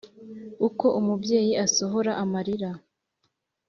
Uko umubyeyi asohora amalira